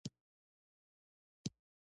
مازیګر ډېر ښکلی وي